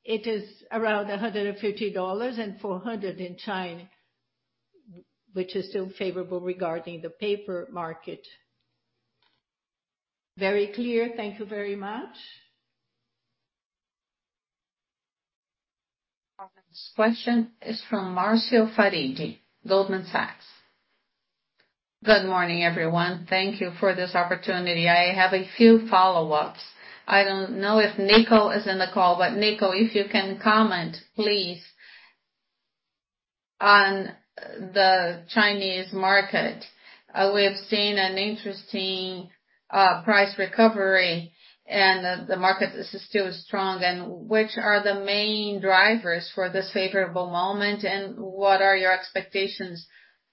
it is around $150 and $400 in China, which is still favorable regarding the paper market. Very clear. Thank you very much. Our next question is from Marcio Farid, Goldman Sachs. Good morning, everyone. Thank you for this opportunity. I have a few follow-ups. I don't know if Nico is in the call, but Nico, if you can comment, please, on the Chinese market. We have seen an interesting price recovery and the market is still strong. Which are the main drivers for this favorable moment, and what are your expectations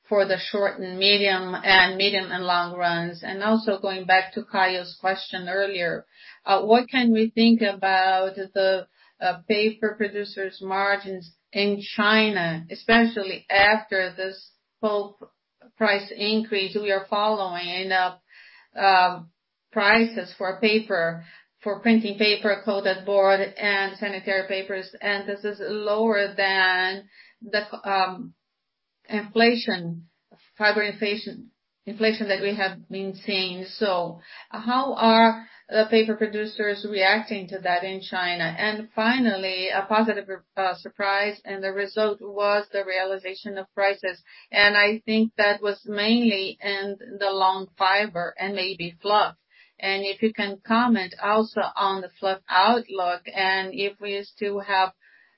for the short and medium, and medium and long runs? Also going back to Caio's question earlier, what can we think about the paper producers' margins in China, especially after this pulp price increase we are following of prices for paper, for printing paper, coated board and sanitary papers. This is lower than the fiber inflation that we have been seeing. How are paper producers reacting to that in China? Finally, a positive surprise, and the result was the realization of prices. I think that was mainly in the long fiber and maybe fluff. If you can comment also on the fluff outlook and if we still have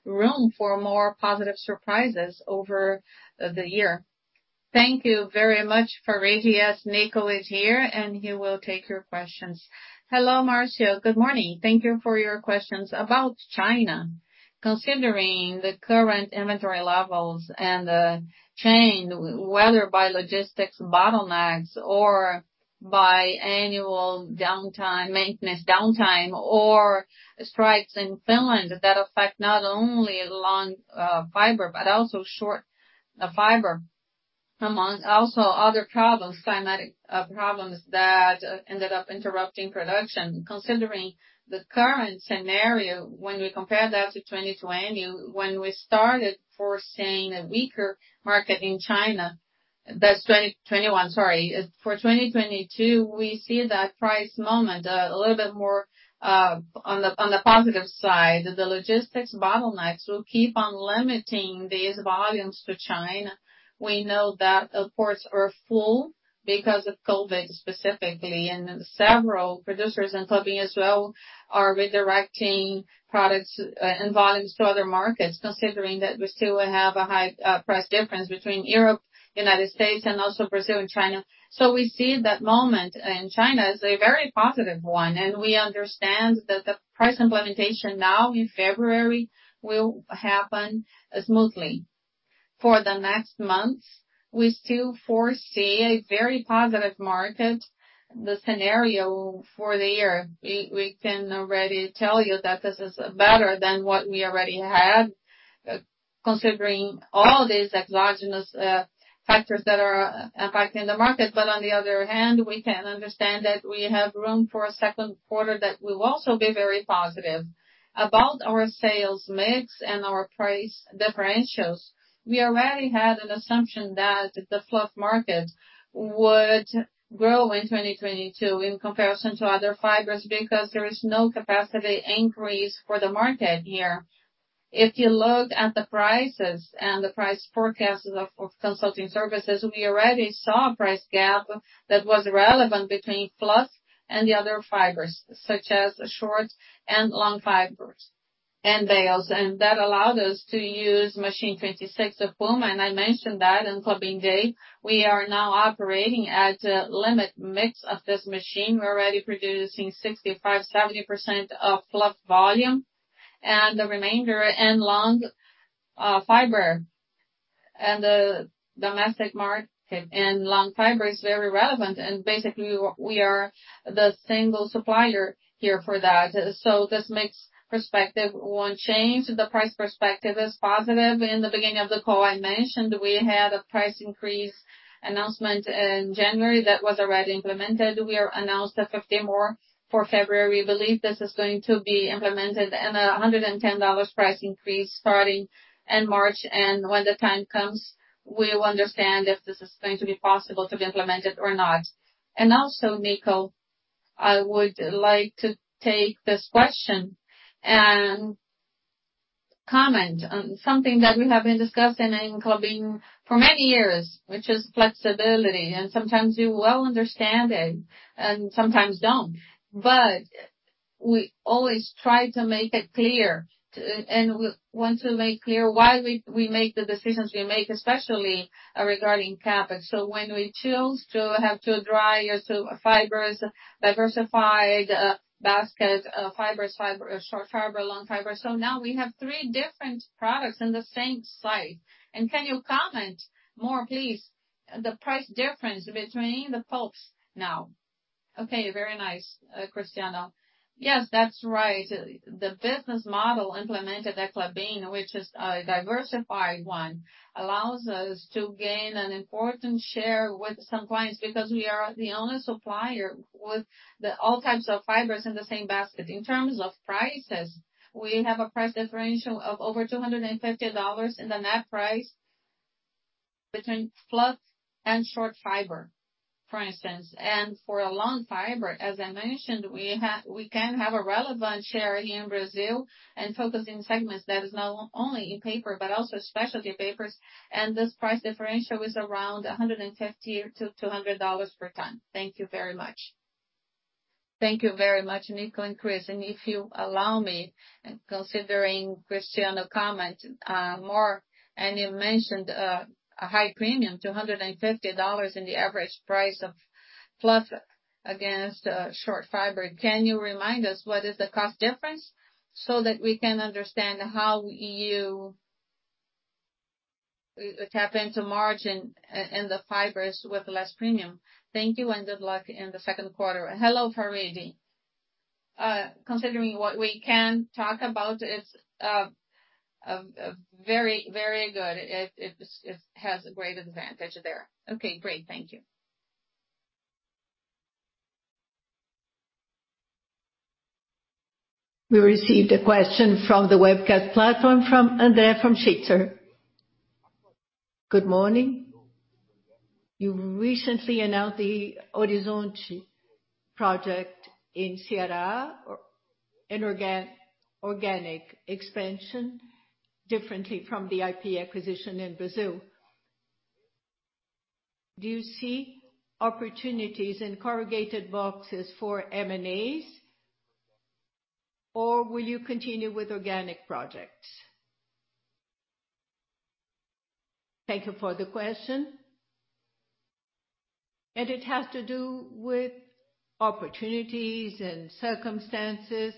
room for more positive surprises over the year. Thank you very much, Farid. Yes, Nico is here, and he will take your questions. Hello, Marcio. Good morning. Thank you for your questions. About China, considering the current inventory levels and the change, whether by logistics bottlenecks or by annual downtime, maintenance downtime or strikes in Finland that affect not only long fiber, but also short fiber, among also other problems, climatic problems that ended up interrupting production. Considering the current scenario, when we compare that to 2020, when we started foreseeing a weaker market in China, that's 2021, sorry. For 2022, we see that price momentum a little bit more on the positive side. The logistics bottlenecks will keep on limiting these volumes to China. We know that the ports are full because of COVID specifically, and several producers, and Klabin as well, are redirecting products and volumes to other markets, considering that we still have a high price difference between Europe, United States and also Brazil and China. We see that moment in China as a very positive one, and we understand that the price implementation now in February will happen smoothly. For the next months, we still foresee a very positive market. The scenario for the year, we can already tell you that this is better than what we already had. Considering all these exogenous factors that are impacting the market. On the other hand, we can understand that we have room for a Q2 that will also be very positive. About our sales mix and our price differentials, we already had an assumption that the fluff market would grow in 2022 in comparison to other fibers, because there is no capacity increase for the market here. If you look at the prices and the price forecasts of consulting services, we already saw a price gap that was relevant between fluff and the other fibers, such as short and long fibers and bales. That allowed us to use Machine 26 of Puma, and I mentioned that in Klabin Day. We are now operating at limit mix of this machine. We're already producing 65%-70% of fluff volume, and the remainder in long fiber. The domestic market and long fiber is very relevant and basically we are the single supplier here for that. This mix perspective won't change. The price perspective is positive. In the beginning of the call, I mentioned we had a price increase announcement in January that was already implemented. We announced $50 more for February. We believe this is going to be implemented and $110 price increase starting in March. When the time comes we will understand if this is going to be possible to be implemented or not. Also, Nico, I would like to take this question and comment on something that we have been discussing in Klabin for many years, which is flexibility. Sometimes you'll understand it and sometimes don't. We always try to make it clear, and we want to make clear why we make the decisions we make, especially regarding CapEx. When we choose to have two dryers, fibers diversified basket, fibers, short fiber, long fiber. Now we have three different products in the same site. Can you comment more, please, the price difference between the pulps now? Okay, very nice, Cristiano. Yes, that's right. The business model implemented at Klabin, which is a diversified one, allows us to gain an important share with some clients because we are the only supplier with all types of fibers in the same basket. In terms of prices, we have a price differential of over $250 in the net price between fluff and short fiber, for instance. For a long fiber, as I mentioned, we can have a relevant share here in Brazil and focus in segments that is not only in paper, but also specialty papers. This price differential is around $150-$200 per ton. Thank you very much. Thank you very much, Nico and Chris. If you allow me, considering Cristiano's comment, and you mentioned a high premium, $250 in the average price of fluff against short fiber. Can you remind us what is the cost difference so that we can understand how you tap into margin in the fibers with less premium? Thank you and good luck in the Q2. Hello, Farid. Considering what we can talk about is very good. It has a great advantage there. Okay, great. Thank you. We received a question from the webcast platform from André from Shitzer. Good morning. You recently announced the Horizonte project in Ceará, an organic expansion differently from the IP acquisition in Brazil. Do you see opportunities in corrugated boxes for M&As or will you continue with organic projects? Thank you for the question. It has to do with opportunities and circumstances.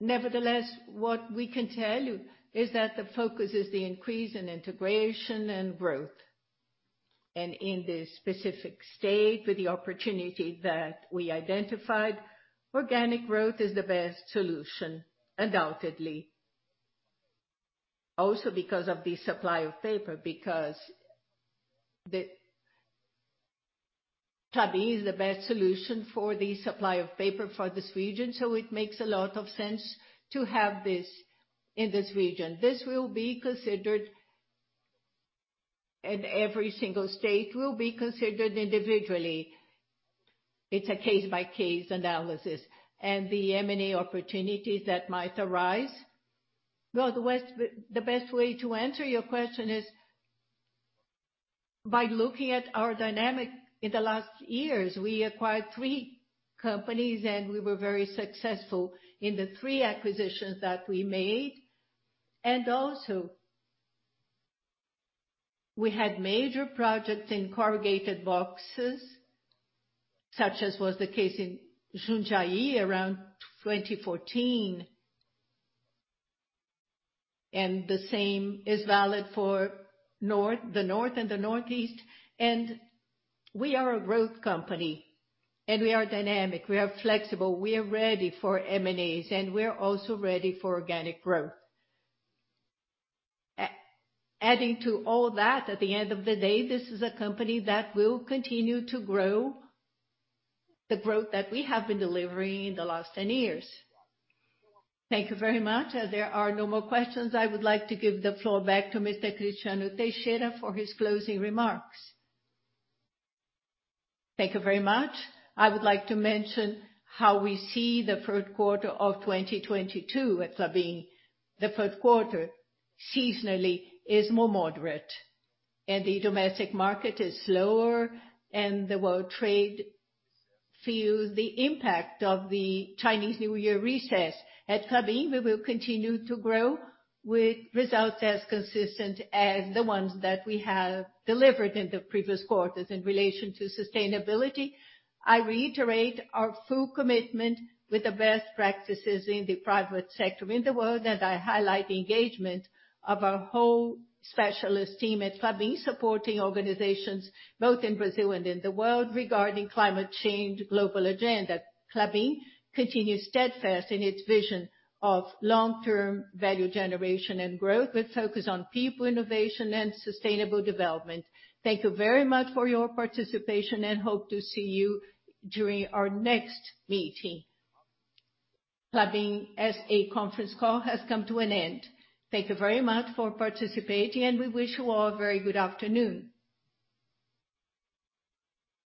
Nevertheless, what we can tell you is that the focus is the increase in integration and growth. In this specific state, with the opportunity that we identified, organic growth is the best solution, undoubtedly. Also because of the supply of paper, because Klabin is the best solution for the supply of paper for this region. It makes a lot of sense to have this in this region. This will be considered, and every single state will be considered individually. It's a case-by-case analysis and the M&A opportunities that might arise. Well, the best way to answer your question is by looking at our dynamics in the last years. We acquired three companies, and we were very successful in the three acquisitions that we made. Also we had major projects in corrugated boxes, such as was the case in Jundiaí around 2014. The same is valid for north, the north and the northeast. We are a growth company and we are dynamic, we are flexible, we are ready for M&As, and we're also ready for organic growth. Adding to all that, at the end of the day, this is a company that will continue to grow the growth that we have been delivering in the last 10 years. Thank you very much. As there are no more questions, I would like to give the floor back to Mr. Cristiano Teixeira for his closing remarks. Thank you very much. I would like to mention how we see the Q3 of 2022 at Klabin. The Q3 seasonally is more moderate and the domestic market is slower and the world trade feels the impact of the Chinese New Year recess. At Klabin, we will continue to grow with results as consistent as the ones that we have delivered in the previous quarters. In relation to sustainability, I reiterate our full commitment with the best practices in the private sector in the world. I highlight the engagement of our whole specialist team at Klabin, supporting organizations both in Brazil and in the world regarding climate change global agenda. Klabin continues steadfast in its vision of long-term value generation and growth, with focus on people, innovation and sustainable development. Thank you very much for your participation and we hope to see you during our next meeting. Klabin S.A. conference call has come to an end. Thank you very much for participating, and we wish you all a very good afternoon.